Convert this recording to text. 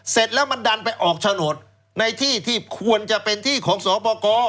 เสร็จแล้วมันดันไปออกโฉนดในที่ที่ควรจะเป็นที่ของสปกร